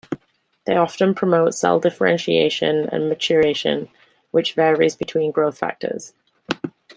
They often promote cell differentiation and maturation, which varies between growth factors.